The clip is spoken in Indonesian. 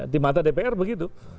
di mata dpr begitu